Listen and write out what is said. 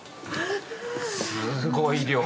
すごい量。